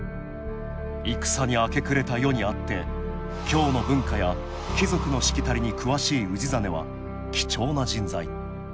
戦に明け暮れた世にあって京の文化や貴族のしきたりに詳しい氏真は貴重な人材。